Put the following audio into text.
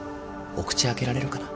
お口開けられるかな？